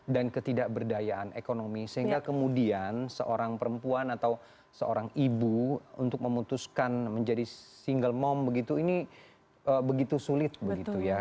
dan ketidakberdayaan ekonomi sehingga kemudian seorang perempuan atau seorang ibu untuk memutuskan menjadi single mom begitu ini begitu sulit begitu ya